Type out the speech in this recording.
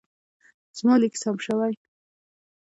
زما لیک سم شوی.